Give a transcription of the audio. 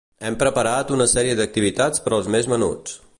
Hem preparat una sèrie d'activitats per als més menuts.